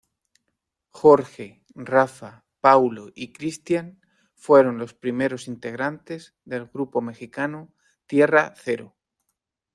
Jorge, Rafa, Paulo y Christian fueron los primeros integrantes del grupo mexicano Tierra Cero.